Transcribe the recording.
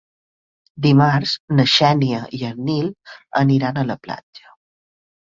Dimarts na Xènia i en Nil aniran a la platja.